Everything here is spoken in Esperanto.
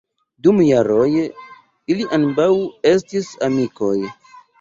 Dum jaroj ili ambaŭ estis amikoj.